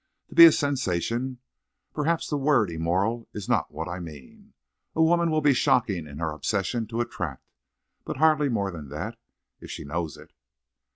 To be a sensation! Perhaps the word 'immoral' is not what I mean. A woman will be shocking in her obsession to attract, but hardly more than that, if she knows it."